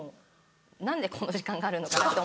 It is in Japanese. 何でこの時間があるのかなって。